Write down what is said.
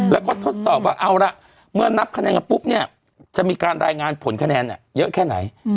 แล้วก็ทดสอบว่าเอาละเมื่อนับคะแนนกันปุ๊บเนี่ยจะมีการรายงานผลคะแนนเยอะแค่ไหน